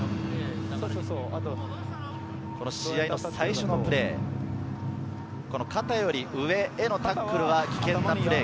試合の最初のプレー、肩より上へのタックルは危険なプレー。